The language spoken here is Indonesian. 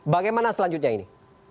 bagaimana selanjutnya ini